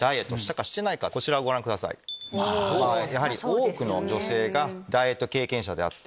やはり多くの女性がダイエット経験者であって。